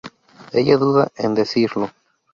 ella duda en decirlo